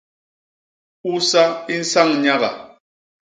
Usa i nsañ nyaga.